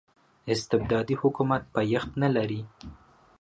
استبدادي حکومت پایښت نلري.